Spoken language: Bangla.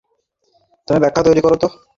এখন তুমি ব্যথা তৈরি কর তো!